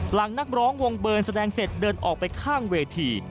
นักร้องวงเบิร์นแสดงเสร็จเดินออกไปข้างเวที